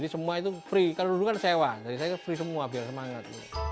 semua itu free kalau dulu kan sewa jadi saya free semua biar semangat